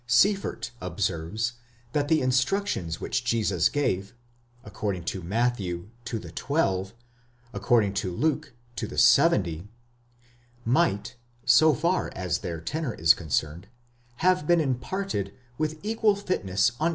® Sieffert observes that the instructions which Jesus gave—according to Matthew, to the twelve, according to Luke, to the seventy—might, so far as their tenor is concerned, have been imparted with equal fitness on either 4 Schulz, s.